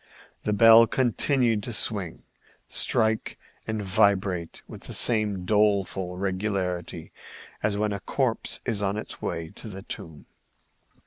The bell continued to swing, strike and vibrate with the same doleful regularity as when a corpse is on its way to the tomb.